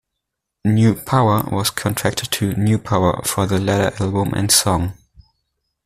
"New Power" was contracted to "Newpower" for the later album and song.